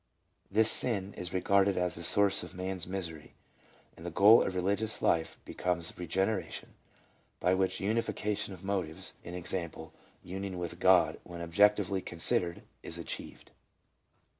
This sin is regarded as the source of man's misery, and the goal of religious life becomes regeneration, by which unifica tion of motives, — i. e., union with God, when objectively con sidered — is achieved.